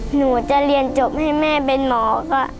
หนูจะเรียนจบให้แม่เป็นหมอค่ะ